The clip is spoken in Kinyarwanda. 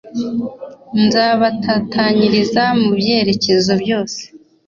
nzabatatanyiriza mu byerekezo byose